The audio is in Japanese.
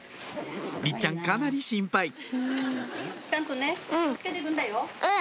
りっちゃんかなり心配うん！